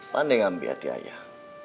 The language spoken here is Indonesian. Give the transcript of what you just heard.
pandai ngambil hati ayah